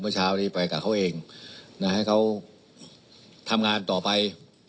เมื่อเช้านี้ไปกับเขาเองให้เขาทำงานต่อไป